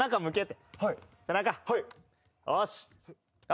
よし。